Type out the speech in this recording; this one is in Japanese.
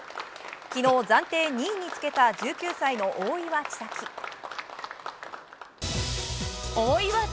昨日、暫定２位につけた１９歳の大岩千未来。